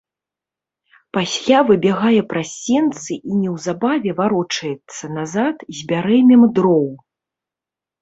Пасля выбягае праз сенцы і неўзабаве варочаецца назад з бярэмем дроў.